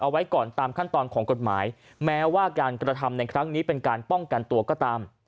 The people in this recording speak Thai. เอาไว้ก่อนตามขั้นตอนของกฎหมายแม้ว่าการกระทำในครั้งนี้เป็นการป้องกันตัวก็ตาม